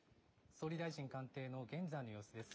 総理大臣官邸の現在の様子です。